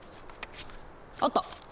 あった！